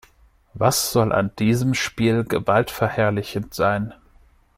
Was soll an dem Spiel gewaltverherrlichend sein?